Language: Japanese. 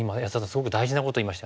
すごく大事なこと言いましたね。